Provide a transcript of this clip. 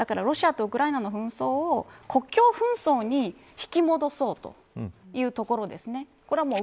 だからロシアとウクライナの紛争を国境紛争に引き戻そうというところですね。